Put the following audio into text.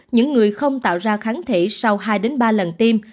những người không tạo ra kháng thể sau hai ba lần tiêm